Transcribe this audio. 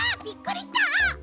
びっくりした！